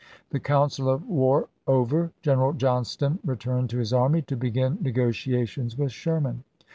The council of war over, General Johnston returned to his army to begin negotiations with Sherman.